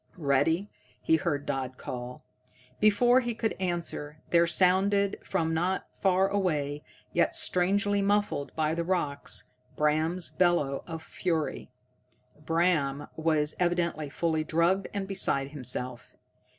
"Ready?" he heard Dodd call. Before he could answer, there sounded from not far away, yet strangely muffled by the rocks, Bram's bellow of fury. Bram was evidently fully drugged and beside himself.